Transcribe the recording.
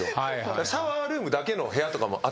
シャワールームだけの部屋とかもあったりして。